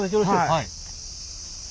はい。